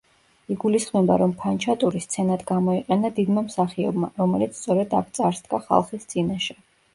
იგულისხმება, რომ ფანჩატური სცენად გამოიყენა დიდმა მსახიობმა, რომელიც სწორედ აქ წარსდგა ხალხის წინაშე.